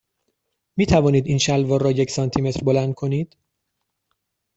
می توانید این شلوار را یک سانتی متر بلند کنید؟